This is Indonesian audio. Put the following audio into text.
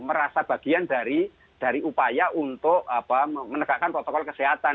merasa bagian dari upaya untuk menegakkan protokol kesehatan